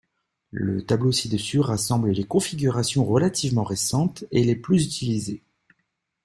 Le tableau ci-dessus rassemble les configurations relativement récentes et les plus utilisées.